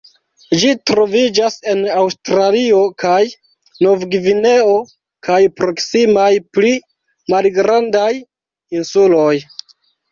Ĝi troviĝas en Aŭstralio kaj Novgvineo kaj proksimaj pli malgrandaj insuloj.